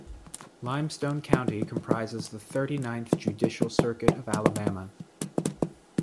Limestone County comprises the Thirty-Ninth Judicial Circuit of Alabama.